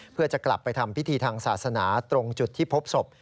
เพื่อจะกลับไปทำพิธีทางศาสนาตรงจุดที่พบศพ